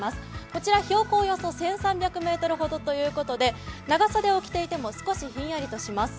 こちら標高およそ１３００ｍほどということで、長袖を着ていても少しひんやりとします。